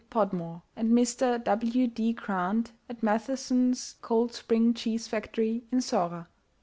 Podmore and Mr. W. D. Grant at Matheson's Cold Spring Cheese Factory in Zorra, 1888.